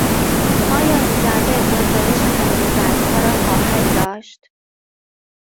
آیا این جعبه گنجایش همهی ظرفها را خواهد داشت؟